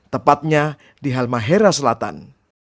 tepatnya di halmahera selatan